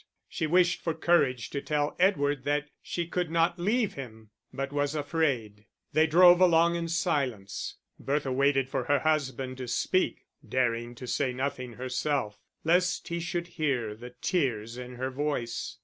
She wished for courage to tell Edward that she could not leave him, but was afraid. They drove along in silence; Bertha waited for her husband to speak, daring to say nothing herself, lest he should hear the tears in her voice.